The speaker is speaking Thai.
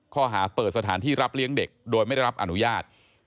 ข้อหาเปิดสถานที่รับเลี้ยงเด็กโดยไม่ได้รับอนุญาต